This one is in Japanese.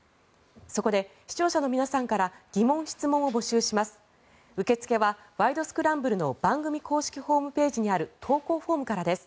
そこで視聴者の皆さんから疑問・質問を募集します。